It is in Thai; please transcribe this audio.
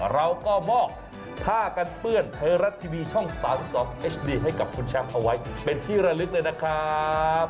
เราก็มอบผ้ากันเพื่อนเธอรัฐทีวีช่องสตาร์ทฤทธิ์ศอสเอ็ชดีให้กับคุณแชมป์เอาไว้เป็นที่ระลึกเลยนะครับ